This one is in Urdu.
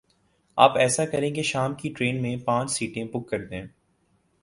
آپ ایسا کریں کے شام کی ٹرین میں پانچھ سیٹیں بک کر دیں۔